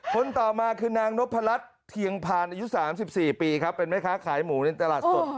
คนต่อมาคือนางนพรัชเทียงพานอายุ๓๔ปีครับเป็นแม่ค้าขายหมูในตลาดสด